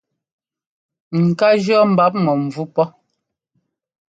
Ŋ́kaa jʉ́ɔ mbap̧ -mɔ̂mvú pɔ́.